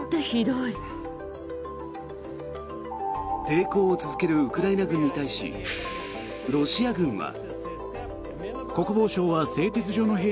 抵抗を続けるウクライナ軍に対しロシア軍は。